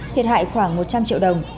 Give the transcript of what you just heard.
thiệt hại khoảng một trăm linh triệu đồng